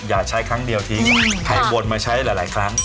อย่าใช้ครั้งเดียวทิ้งใครวนมาใช้หลายครั้ง